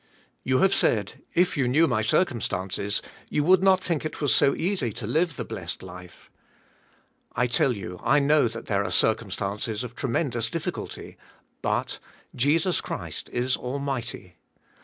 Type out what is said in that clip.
You have said, If you knew my circumstances you would not think it was so easy to live the blessed life." I tell you I know that there are circumstances of tremendous difficulty, but — Jesus Christ is almig hty.